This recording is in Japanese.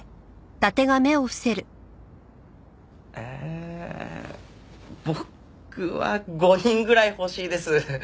ええ僕は５人ぐらい欲しいです。